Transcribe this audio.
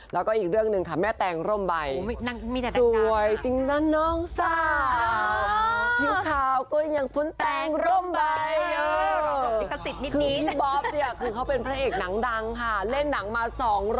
แล้วก็อีกเรื่องหนึ่งค่ะแม่แตงร่มใบสวยจริงนะน้องสาวผิวขาวก็ยังพ้นแตงร่มใบเยอะคือพี่บ๊อบเนี่ยคือเขาเป็นผู้เอกหนังค่ะเล่นหนังมา๒๗๐เรื่อง